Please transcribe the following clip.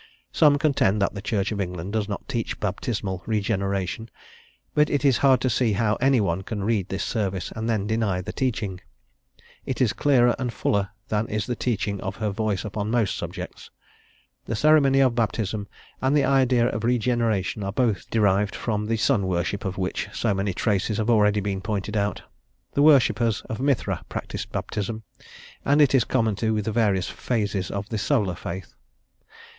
Some contend that the Church of England does not teach baptismal regeneration, but it is hard to see how any one can read this service, and then deny the teaching; it is clearer and fuller than is the teaching of her voice upon most subjects. The ceremony of baptism and the idea of regeneration are both derived from the sun worship of which so many traces have already been pointed out: the worshippers of Mithra practised baptism, and it is common to the various phases of the solar faith.